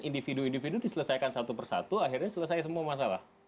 individu individu diselesaikan satu persatu akhirnya selesai semua masalah